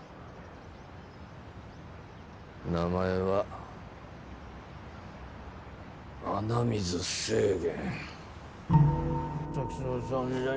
名前は穴水政玄。